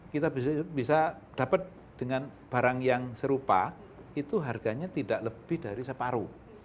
kita bisa dapat dengan barang yang serupa itu harganya tidak lebih dari separuh